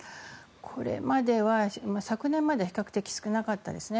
これまでは、昨年まで比較的少なかったですね。